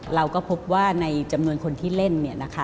เราก็พบว่าในจำนวนคนที่เล่น